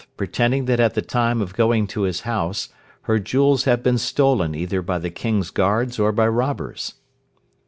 Pretending that at the time of going to his house, her jewels have been stolen either by the King's guards, or by robbers.